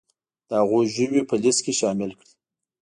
د هغو ژویو په لیست کې شامل کړي